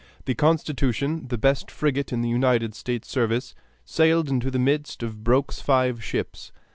The Constitution, the best frigate in the United States service, sailed into the midst of Broke's five ships.